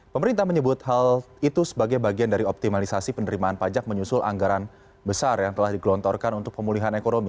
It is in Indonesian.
pemerintah menyebut hal itu sebagai bagian dari optimalisasi penerimaan pajak menyusul anggaran besar yang telah digelontorkan untuk pemulihan ekonomi